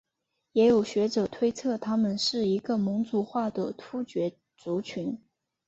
也有学者推测他们是一个蒙古化的突厥族群。